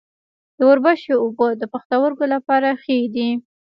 د وربشو اوبه د پښتورګو لپاره ښې دي.